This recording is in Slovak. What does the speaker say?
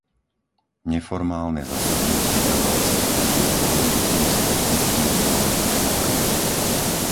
Neformálne zasadnutie Európskej rady je dôležitým stretnutím v dôležitom okamihu.